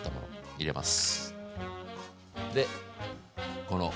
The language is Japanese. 入れます。